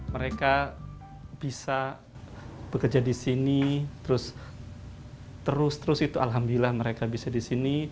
mereka bisa bekerja di sini terus terus itu alhamdulillah mereka bisa di sini